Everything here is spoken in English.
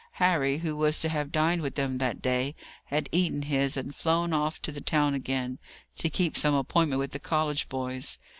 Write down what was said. Harry, who was to have dined with them that day, had eaten his, and flown off to the town again, to keep some appointment with the college boys.